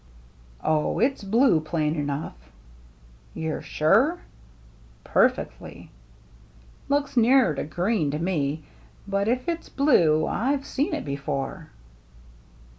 " Oh, it's blue, plain enough." "You're sure?" " Perfectly." " Looks nearer green to me. But if it's blue, I've seen it before."